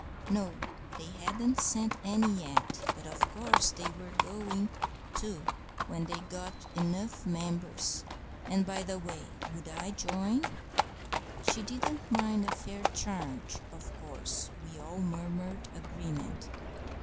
(No, they hadn't sent any yet; but of course they were going to, when they got enough members, and, by the way, would I join?) She didn't mind a fair charge, of course (we all murmured agreement).